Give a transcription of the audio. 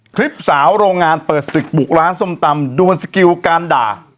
คลิปสาวโรงงานเปิดศึกบุกร้านส้มตำดวนสกิลการด่า